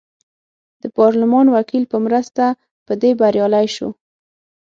د پارلمان وکیل په مرسته په دې بریالی شو.